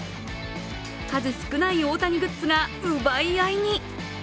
数少ない大谷グッズが奪い合いに。